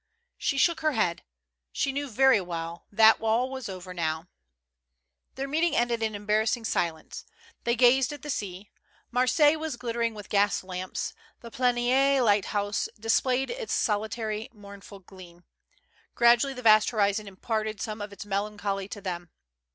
She shook her head; she knew very well that all was over now. Their meeting ended in embarrassing silence; they gazed at the sea; Marseilles was glittering with gas THE LANDSLIP. 149 lamps; the Planier lighthouse displayed its solitary mournful gleam ; gradually the vast horizon imparted some of its melancholy to them.